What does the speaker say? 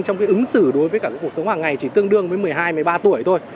trong cái ứng xử đối với cả cuộc sống hàng ngày chỉ tương đương với một mươi hai một mươi ba tuổi thôi